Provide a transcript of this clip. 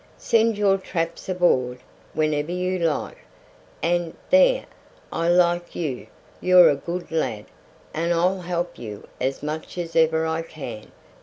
Send your traps aboard whenever you like, and there, I like you you're a good lad, and I'll help you as much as ever I can.